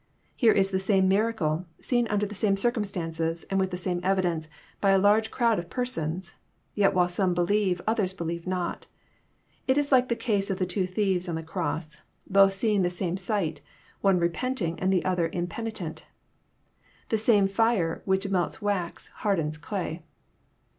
Here is the same miracle, seen nnder the same circumstances, and with the same evidence, by a large crowd of persons ; yet while some believe, others believe not I It is like the case of the two thieves on the cross, both seeing the same sight, one repenting and the other impenitent. The same Are which melts wax hardens clay.